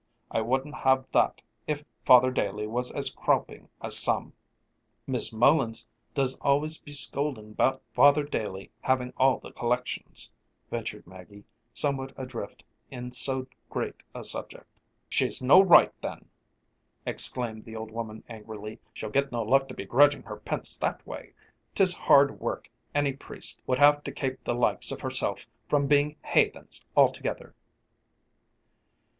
I wouldn't have that if Father Daley was as croping as some." "Mis' Mullin does always be scolding 'bout Father Daley having all the collections," ventured Maggie, somewhat adrift in so great a subject. "She's no right then!" exclaimed the old woman angrily; "she'll get no luck to be grudging her pince that way. 'Tis hard work anny priest would have to kape the likes of hersilf from being haythens altogether."